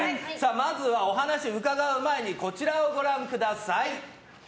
まずは、お話伺う前にこちらをご覧ください。